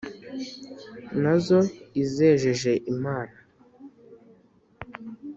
Na zo izejeje Imana,